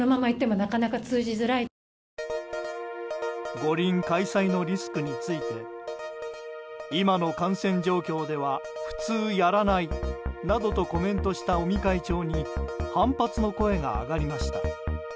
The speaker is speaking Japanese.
五輪開催のリスクについて今の感染状況では普通やらないなどとコメントした尾身会長に反発の声が上がりました。